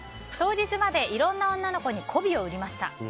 当日まで、いろんな女の子にこびを売りました。